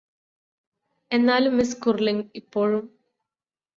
എന്നാലും miss Curling ഇപ്പോഴും